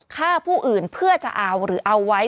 ฆ่าผู้อื่นเพื่อจะเอาหรือเอาไว้